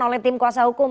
oleh tim kuasa hukum